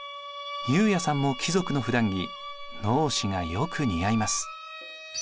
悠也さんも貴族のふだん着直衣がよく似合います。